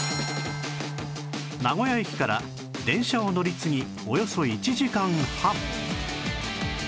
名古屋駅から電車を乗り継ぎおよそ１時間半